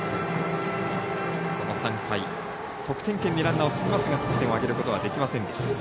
この３回得点圏にランナーを進めますが得点を挙げることはできませんでした。